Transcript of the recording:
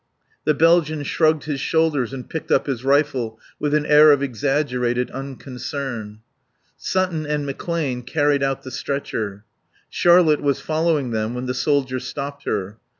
The Belgian shrugged his shoulders and picked up his rifle with an air of exaggerated unconcern. Sutton and McClane carried out the stretcher. Charlotte was following them when the soldier stopped her.